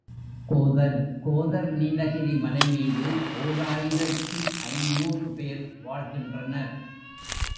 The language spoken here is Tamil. கோதர் கோதர் நீலகிரி மலைமீது ஓர் ஆயிரத்து ஐநூறு பேர் வாழ்கின்றனர்.